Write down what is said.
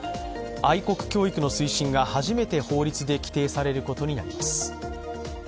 愛国教育の推進が初めて法律で規定されることになります。